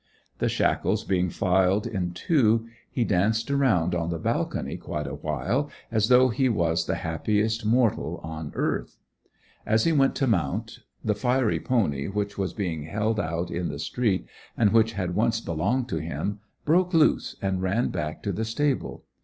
The shackles being filed in two he danced around on the balcony quite a while, as though he was the happiest mortal on earth. As he went to mount, the firey pony, which was being held out in the street, and which had once belonged to him, broke loose and ran back to the stable.